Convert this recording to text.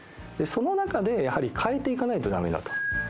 その中でやはり変えていかないと駄目だと。